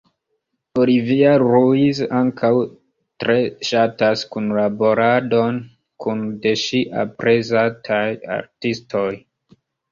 Olivia Ruiz ankaŭ tre ŝatas kunlaboradon kun de ŝi aprezataj artistoj.